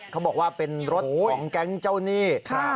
เขาบอกว่าเป็นรถของแก๊งเจ้าหนี้